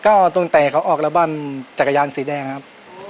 ก็ตั้งแต่เขาออกระบั้นจักรยานสีแดงครับ